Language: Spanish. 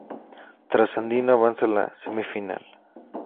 Trasandino avanza a la semifinal.